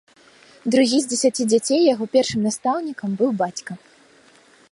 Другі з дзесяці дзяцей, яго першым настаўнікам быў бацька.